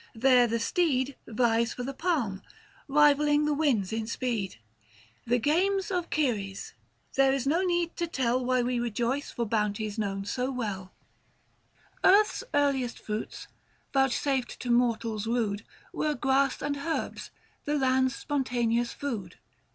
There the steed Vies for the palm, rivalling the winds in speed. 440 The games of Ceres ! there is no need to tell Why we rejoice for bounties known so well. Book IV. THE FASTI. 117 Earth's earliest fruits, vouchsafed to mortals rude, Were grass and herbs — the land's spontaneous food.